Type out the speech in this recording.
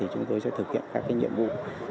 chúng tôi sẽ thực hiện các nhiệm vụ